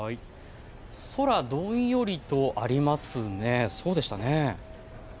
空どんよりとありますね。